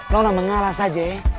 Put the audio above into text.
lona mengalah saja ya